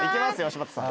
柴田さん。